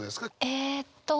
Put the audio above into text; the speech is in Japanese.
えっと。